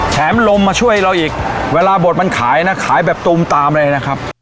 แถมลมมาช่วยเราอีกเวลาบดมันขายนะขายแบบตูมตามเลยนะครับ